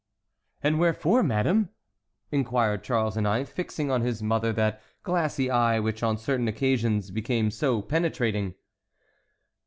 "And wherefore, madame?" inquired Charles IX., fixing on his mother that glassy eye which, on certain occasions, became so penetrating.